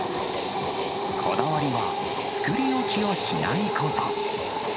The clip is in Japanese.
こだわりは、作り置きをしないこと。